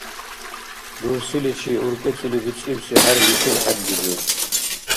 Рурсиличи уркӀецӀили бицӀибси хӀерличил хӀерризур.